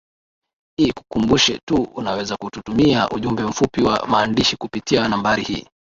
i kukumbushe tu unaweza kututumia ujumbe mfupi wa maandishi kupitia nambari hii